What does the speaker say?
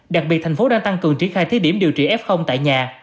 đặc biệt thành phố đang tăng cường tri khai thiết điểm điều trị f tại nhà